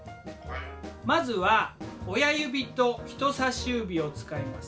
まずは親指と人さし指を使います。